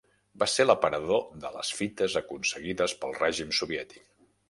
Va ser l'aparador de les fites aconseguides pel Règim Soviètic.